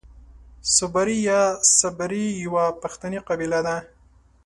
صبري يا سبري يوۀ پښتني قبيله ده.